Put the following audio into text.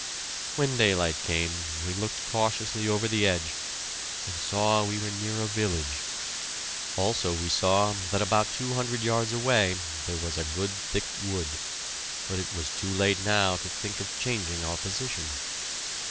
When daylight came, we looked cautiously over the edge, and saw we were near a village; also we saw that about two hundred yards away there was a good thick wood, but it was too late now to think of changing our position.